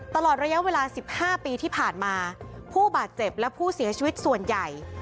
ตลอดระยะเวลา๑๕ปีที่ผ่านมาผู้บาดเจ็บและผู้เสียชีวิตส่วนใหญ่